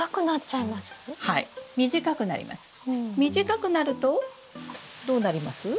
短くなるとどうなります？